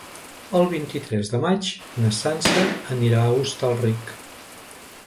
El vint-i-tres de maig na Sança anirà a Hostalric.